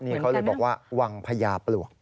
นี่เขาเลยบอกว่าวังพญาปลวก